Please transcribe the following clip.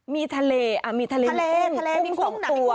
มีทะเลอ่ะมีทะเลทะเลทะเลสองตัว